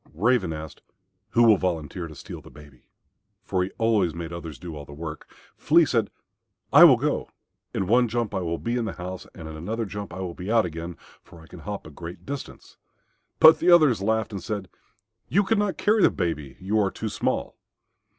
Raven asked, "Who will volunteer to steal the baby?" for he always made the others do all the work. Flea said, "I will go. In one jump I will be into the house, and in another jump I will be out again, for I can hop a great distance." But the others laughed and said, "You could not carry the baby; you are too small."